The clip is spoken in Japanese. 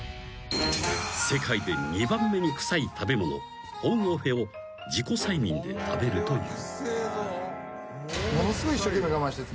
［世界で２番目に臭い食べ物ホンオフェを自己催眠で食べるという］